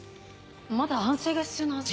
まだ安静が必要なはず。